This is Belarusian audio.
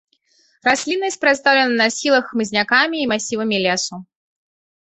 Расліннасць прадстаўлена на схілах хмызнякамі і масівамі лесу.